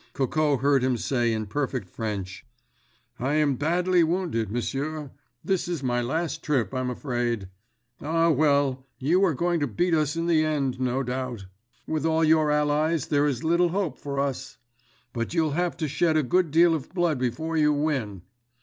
Coco heard him say in perfect French: "I am badly wounded, monsieur. This is my last trip, I'm afraid. Ah, well; you are going to beat us in the end, no doubt. With all your allies there's little hope for us. But you'll have to shed a good deal of blood before you win!"